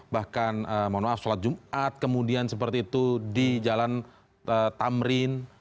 bahkan mohon maaf sholat jumat kemudian seperti itu di jalan tamrin